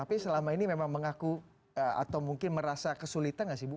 tapi selama ini memang mengaku atau mungkin merasa kesulitan gak sih bu